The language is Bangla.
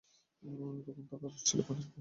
তখন তাঁর আরশ ছিল পানির উপর।